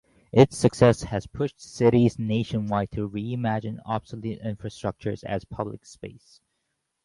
Its success has pushed cities nationwide to reimagine obsolete infrastructure as public space.